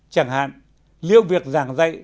chẳng hạn liệu việc giảng dạy